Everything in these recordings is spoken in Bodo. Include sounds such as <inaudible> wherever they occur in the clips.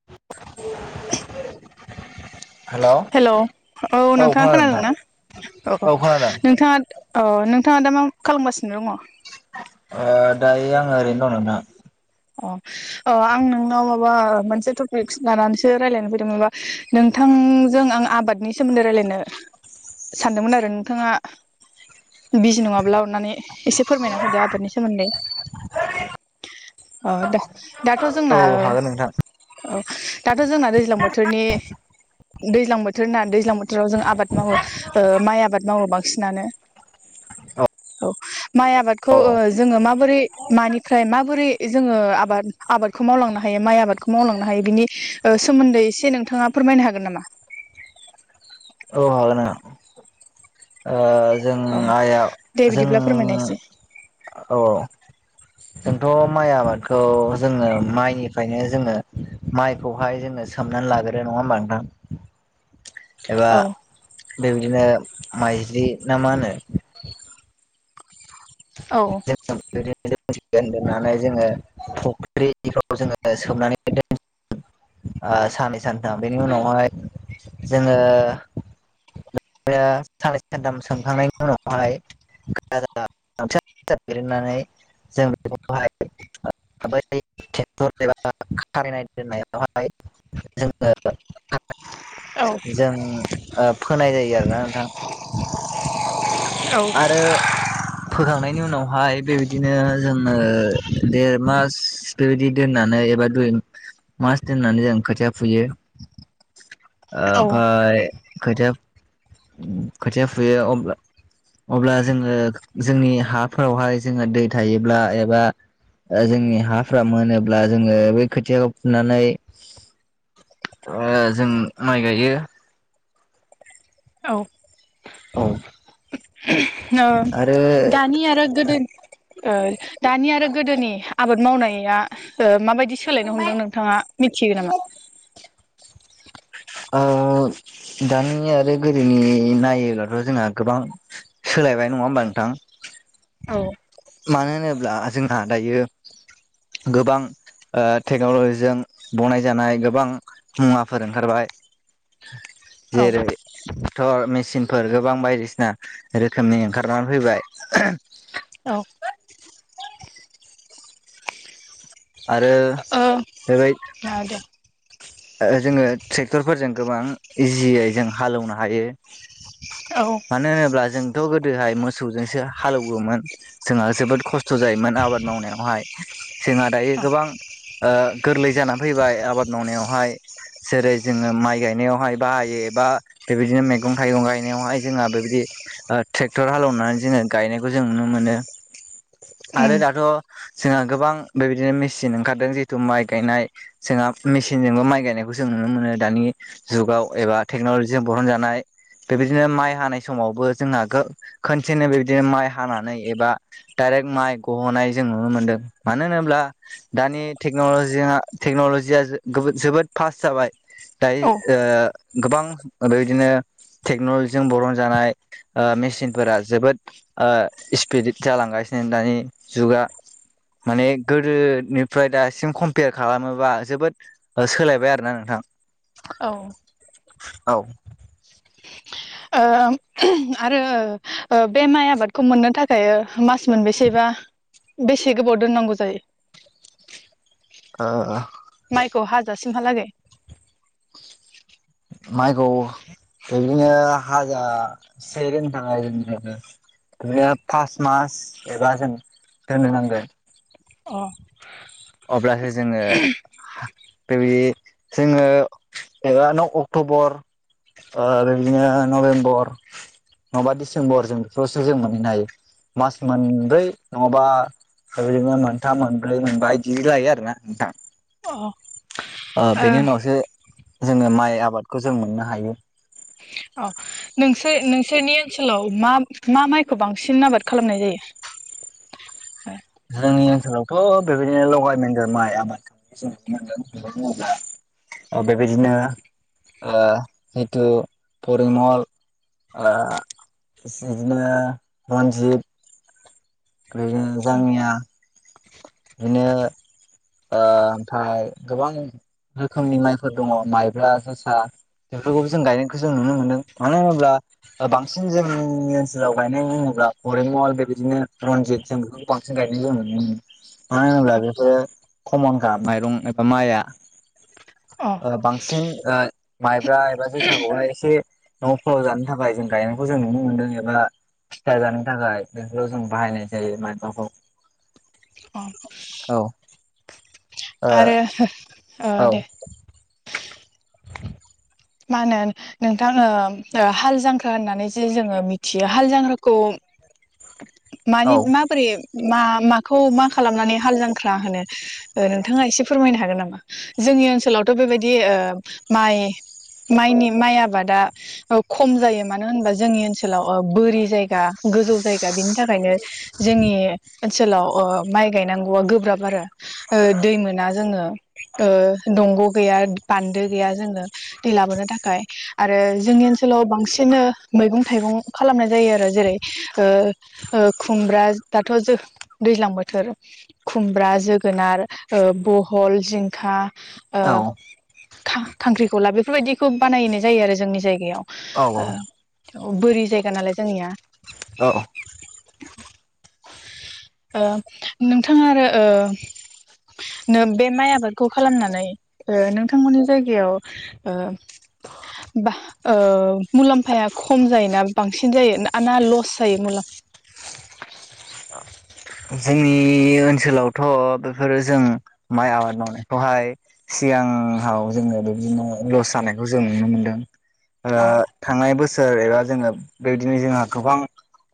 <inaudible> हेल औ नोंथाङा खोनादों नोंथां खोनादोंना औ नोंथाङा। अ नोंथाङा दा मा खालामगासिनो दङ? ओ- दायो आङो ओरैनो दं नोंथां। अ अ आं नोंनाव माबा मोनसे टपिक लानानैसो रायलायनो फैदों माबा नों। नोंथांजों आं आबादनि सोमोन्दै रायलायनो सानदोंमोन आरो नोंथाङा। बिजि नङाब्ला अननानै एसे फोरमायना होदो आबादनि सोमोन्दै। अ द दाथ जोंना औ हागोन नोंथां अ दाथ जोंना दैज्लां बोथोरनि। दैज्लां बोथोर ना दैज्लां बोथोराव जों आबाद मावो। ओ- माइ आबाद मावो बांसिनानो औ। माइ आबादखौ औ ओ- जोङो माबोरै मानिफ्राय माबोरै। जोङो आबाद आबादखौ मावलांनो हायो माइ आबादखौ मावलांनो हायो बिनि ओ- सोमोन्दै एसे नोंथाङा। फोरमायनो हागोन नामा। औ नो ओ- जों औ आइआ दे जों बिदिब्ला फोरमायनाय एसे औ। <inaudible> जोंथ माइ आबादखौ जोङो माइनिफ्रायनो जोङो माइखौहाय जोङो। सोमना लागोरो नङा होमबा नोंथां। एबा औ बेबायदिनो माइजलि ना मा होनो। औ <unintelligible> फख्रिफ्राव जोङो सोमनानै दोन साननै सानथाम बेनि उनावहाय जोङो। साननै सानथाम सोंखांनायनि उनावहाय <unintelligible> दोननानै जों बेखौहाय। बै ट्रेक्टर एबा खारनाय दोननायावहाय जोङो। औ जों ओ-फोनाय जायो आरोना नोंथां। औ आरो फोखांनायनि उनावहाय बेबायदिनो जोङो देर मास। बेबायदि दोननानै एबा दुइ मास दोननानै जों खोथिया फुयो। <inaudible> ओमफाय खोथिया-खोथिया फुयो अब्ला अब्ला जोङो जोंनि हाफोरावहाय जोङो दै थायोब्ला एबा जोंनि हाफ्रा मोनोब्ला जोङो बै खोथियाखौ फुनानै जों माइ गायो। औ औ ओ दानि आरो गोदो ओ दानि आरो गोदोनि आबाद मावनाया ओ माबायदि सो सोलायनो हमदों नोंथाङा मिथियो नामा? ओ दानि आरो गोदोनि नायोब्लाथ' जोंहा गोबां सोलायबाय नङा होमबा नोंथां। औ मानो होनोब्ला जोंहा दायो गोबां टेक्न'लजिजों बनायजानाय गोबां मुवाफोर ओंखारबाय। औ जेरै टेक्टर मेचिनफोर गोबां बायदिसिना रोखोमनि ओंखारनानै फैबाय। औ आरो बेबाय औ दे ओ जोङो ट्रेक्टरफोरजों गोबां इजियै जों हालौनो हायो। औ मानो होनोब्ला जोंथ' गोदोहाय मोसौजोंसो हालौवोमोन। जोंहा जोबोद खस्थ' जायोमोन आबाद मावनायावहाय जोंहा दायो औ गोबां गोरलै जानानै फैबाय आबाद मावनायावहाय। जेरै जोङो माइ गायनायावहाय बाहायो एबा बेबायदिनो मैगं थाइगं गायनायावहाय जोंहा बेबायदि ट्रेक्टर हालेवनानै जोङो गायनायखौ जों नुनो मोनो आरो उम दाथ' जोंहा गोबां बेबायदिनो मेचिन ओंखारदों जिहेथु माइ गायनाय जोंहा मेसि नजोंबो माइ गायनायखौ जों नुनो मोनो दानि जुगाव एबा टेक्न'लजिजों बरनजानाय बेबायदिनो माइ हानाय समावबो जोंहा गो खनसेनो बेबायदिनो माइ हानानै एबा डाइरेक्ट माइ गह'नाय जों नुनो मोन्दों मानो होनोब्ला दानि टेक्नलजिया-टेक्नलजिया जोबोद फास्ट जाबाय। औ दायो ओ गोबां बेबायदिनो टेक्न'लजिजों बरनजानाय मेसिनफोरा जोबोद ओ स्पिडिट जालांगासिनो दानि जुगा। माने गोदोनिफ्राय दासिम कम्पेयार खालामोबा जोबोद सोलायबाय आरो ना नोंथां। औ औ ओ आरो ओ बे माइ आबादखौ मोननो थाखाय मास मोनबेसे बा बेसे गोबाव दोननांगौ जायो? ओ-ओ माइखौ हाजासिमहालागै। माइखौ बिदिनो हाजा सेे <unintelligible> इदिनो फास मास एबा जों दोननो नांगोन। अ अब्लासो जोङो बेबायदि जोङो एबा न' अक्ट'बर ओ बेबादिनो नभेम्बर नङाबा डिसेम्बर जों बेखौसो जों मोनहैनो हायो। मास मोनब्रै नङाबा बेबादिनो मोनथाम मोनब्रै मोनबा बिदि लायो आरो ना नोंथां अ ओ बेनि उनावसो जोङो माइ आबादखौ जों मोननो हायो। अ नोंसोर नोंसोरनि ओनसोलाव मा मा माइखौ बांसिन आबाद खालामनाय जायो। जोंनि ओनसोलावथ' बेबायदिनो लगाय मगेर माइ आबाद जों नुनो मोनदों बेखौ बुंब्ला बेबायदिनो ओ जिथु परिमल ओ बिदिनो रन्जित बिदिनो जामिया बिदिनो ओमफ्राय गोबां रोखोमनि माइफोर दङ माइब्रा जोसा बेफोरखौबो जों गायनायखौ जों नुनो मोन्दों मानो होनोब्ला बांसिन जोंनि ओनसोलाव गायनाय बुङोब्ला फरेमल बेबायदिनो रनजित जों बे बांसिन गायनाय नुनो मोनो मानो होनब्ला अ बेफोर खमनखा माइरं एबा माइआ अ। बांसिन ओ माइब्रा एबा जोसाखौहाय एसे न'फोराव जानो थाखाय जों गायनायखौ जों नुनो मोनदों एबा फिथा जानो थाखाय बेफोराव बाहनाय जायो मायब्राखौ अ। औ। आरो ओ औ दे। मा होनो नोंथाङो हाल जांख्रा होननानै जे जोङो मि मिथियो हाल जांग्राखौ मानि माबोरै मा मा खौ मा खालामनानै हाल जांख्रा होनो ओ नोंथाङा एसे फोरमायनो हागोन नामा जोंनि ओनसोलावथ' बेबायदि ओ माइ माइनि माइ आबादा खम जायो मानो होनबा जोंनि ओनसोलाव बोरि जायगा गोजौ जायगा बिनि थाखायनो जोंनि ओनसोलाव ओ माइ गायनांगौआ गोब्राब आरो। ओ दै मोना जोङो दंग' गैया बान्दो गैया जोङो। दै लाबोनो थाखाय। आरो जोंनि ओनसोलाव बांसिननो मैगं थाइगं खालामनाय जायो आरो जेरै ओ। ओ खुमब्रा दाथ' जो दैज्लां बोथोर। खुमब्रा जोगोनार ओ बहल जिंखा ओ औ खा खांख्रिखला बेफोरबायदिखौ बानायनाय जायो आरो जोंनि औ जायगायाव ओ बोरि जायगा नालाय जोंनिया‌। अ अ। ओ नोंथाङा आरो ओ। नो बे माइ आबादखौ खालामनानै ओ नोंथांमोननि जायगायाव ओ। बा। ओ मुलाम्फाया खम जायोना बांसिन जायो ना लस जायो मुलामफा जोंनि ओनसोलावथ' बेफोरो जों माइ आबाद मावनायखौहाय सिगाङाव जोङो बिदिनो लस जानायखौ जों नुनो मोनदों ओ अ थांनाय बोसोर एबा जोङो बेबायदिनो जोंहा गोबां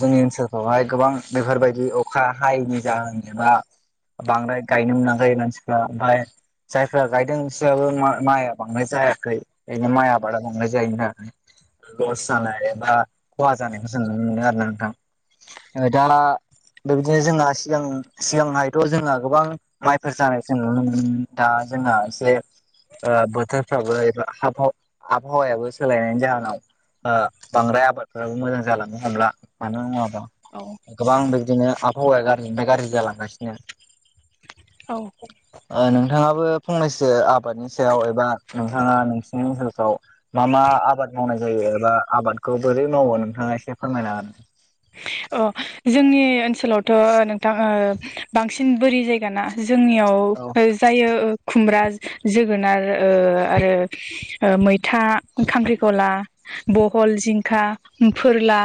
जोंनि ओनसोलफ्रावहाय गोबां बेफोरबायदि अखा हायैनि जाहोन एबा बांद्राय गायनो मोनाखै मानसिफ्रा ओमफ्राय। जायफ्रा गायदों बिसोराबो माइआ बांद्राय जायाखै। बेनो माय आबादा बाद्राय जायोना। लस जानाय बा खहा जानायखौ जों नुनो मोनो आरोना नोंथां दाला। बेबायदिनो जोंहा सिगां सिगांहायथ' जोंना गोबां। माइफोर जानाय जों नुनो मोनोमोन दा जोंहा एसे। बोथोरफ्राबो एबा आबहावायाबो सोलायनायनि जाहोनाव। बांद्राय आबादफोराबो मोजां जालांनो हमला मानो बुङोबा। औ। गोबां बिदिनो आबहावाया गाज्रिनिफ्राय गाज्रि जालांगासिनो। औ नोंथाङाबो फंनैसो आबादनि सायाव एबा नोंथाङा नोंसिनि ओनसोलफ्राव मा मा आबाद मावनाय जायो एबा आबादखौ बोरै मावो नोंथाङा एसे फोरमायना होदो अ जोंनि ओनसोलावथ' नोंथां बांसिन बोरि जायगाना औ जोंनियाव जायो खुमब्रा जोगोनार आरो मैथा खांख्रिखला बहल जिंखा फोरला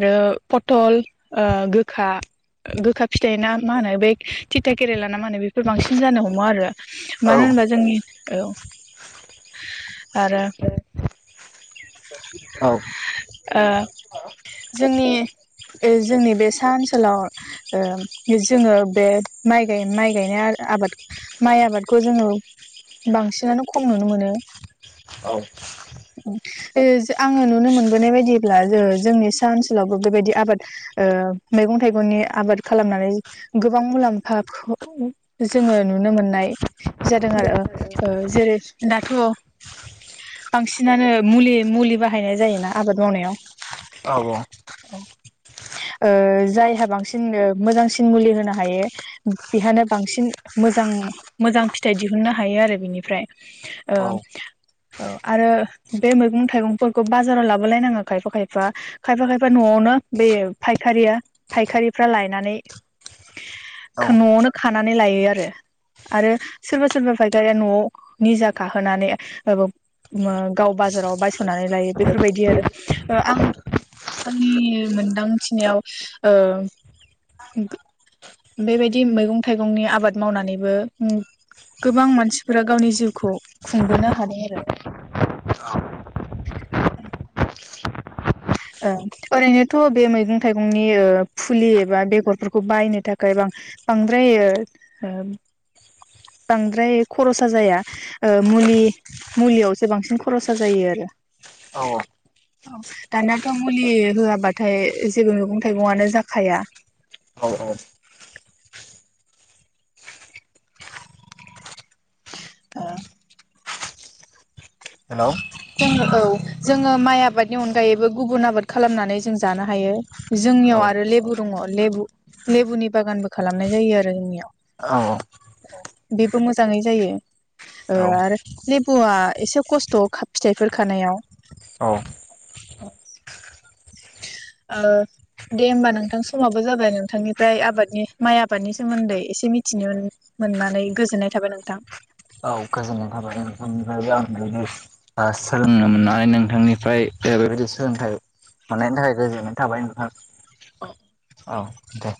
आरो पथल गोखा गोखा फिथाइ ना मा होनो बे थिथा केरेला ना मा होनो बे बांसिन जानो हमो आरो औ मानो होनबा जोंनि औ आरो औ ओ <inaudible> जोंनि जोंनि बे सा ओनसोलाव जोङो बे माइ गाय माइ गायनाय आबाद माइ आबादखौ जोङो बांसिनानो खम नुनो मोनो औ आङो नुनो मोनबोनाय बायदिब्ला जोंनि ओनसोलावबो बेबायदि आबाद मैगं थाइगंनि आबाद खालामनानै गोबां मुलाम्फाखौ जोङो नुनो मोननाय जादों आरो जेरै दाथ' बांसिनानो मुलि मुलि बाहायनाय जायोना आबाद मावनायाव औ औ जायहा बांसिन मोजांसिन मुलि होनो हायो बेहानो बांसिन मोजां मोजां फिथाइ दिहुननो हायो आरो बिनिफ्राय ओ औ आरो बे मैगं थाइगंफोरखौ बाजाराव लाबोलायनाङा खायफा खायफा खायफा खायफा न'आवनो बे फायखारिया फायखारिफ्रा लायनानै औ न'आवनो खानानै लायो आरो। आरो सोरबा सोरबा फायखारिया न'आव निजा गाहोनानै आरबाव गाव बाजाराव बायस'नानै लायो बेफोरबायदि आरो आं आंनि मोनदांथिनायाव ओ गो बेबायदि मैगं थाइगंनि आबाद मावनानैबो गोबां मानसिफोरा गावनि जिउखौ खुंबोनो हादों आरो। औ ओरैनोथ' बे मैगं थाइगंनि फुलि एबा बेगरफोरखौ बायनो थाखाय बा बांद्राय ओ ओ बांद्राय खरसा जाया मुलि मुलियावसो बांसिन खरसा जायो आरो औ औ दानियाथ' मुलि होआबाथाय जेबो मैगं थाइगंयानो जाखाया औ औ ओ हेलौ जों औ जोङो माइ आबादनि अनगायैबो गुबुन आबाद खालामनानै जों जानो हायो औ जोंनियाव आरो लेबु दङ लेबु लेबुनि बागानबो खालामनाय जायो आरो जोंनियाव औ औ बेबो मोजाङै जायो ओ औ आरो लेबुआ एसे खस्थ' फिथाइफोर खानायाव औ ओ दे होमबा नोंथां समाबो जाबाय नोंथांनिफ्राय आबादनि माइ आबादनि सोमोन्दै एसे मिथिनोमोन मोननानै गोजोननाय थाबाय नोंथां। औ गोजोननाय थाबाय नोंथां निफ्रायबो आं बेयावनो ओ सोलोंनो मोननानै नोंथांनिफ्राय बेबायदि सोलोंथाइ मोननायनि थाखाय गोजोननाय थाबाय नोंथां औ दे